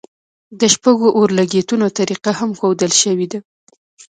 د شپږو اورلګیتونو طریقه هم ښودل شوې ده.